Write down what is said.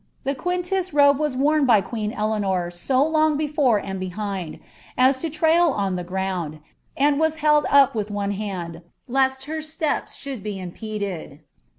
The qtiiniiie robe was worn by queen Eleanor so long before and behind, as to trail on lite eround, and was held up with one hand, lest her steps should be iinpedeil.